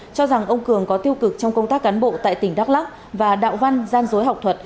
cho rằng ông cường có tiêu cực trong công tác cán bộ tại tỉnh đắk lắc và đạo văn gian dối học thuật